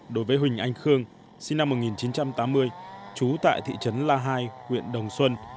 đối với huỳnh anh khương sinh năm một nghìn chín trăm tám mươi trú tại thị trấn la hai huyện đồng xuân